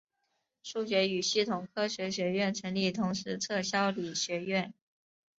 数学与系统科学学院成立同时撤销理学院。